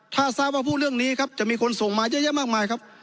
ถ้าทราบว่าพูดเรื่องนี้ครับจะมีคนส่งมาเยอะแยะมากมายครับ